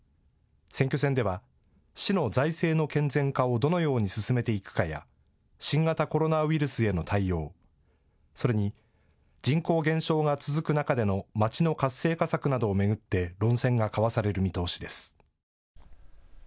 選挙戦では市の財政の健全化をどのように進めていくかや新型コロナウイルスへの対応、それに人口減少が続く中でのまちの活性化策などを巡って論戦が交わされる見通しです。